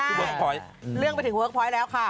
ใช่เรื่องไปถึงเวิร์คพอยต์แล้วค่ะ